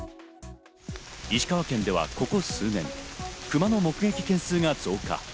石川県ではここ数年、クマの目撃件数が増加。